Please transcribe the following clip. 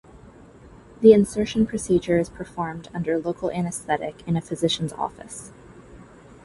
The insertion procedure is performed under local anesthetic in a physician's office.